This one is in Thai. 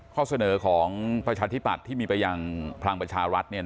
ข้อเสนอของประชาธิปัตย์ที่มีไปยังพลังประชารัฐ